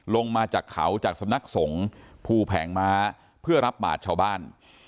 ลงมาจากเขาจากสำนักสงฆ์ภูแผงม้าเพื่อรับบาทชาวบ้าน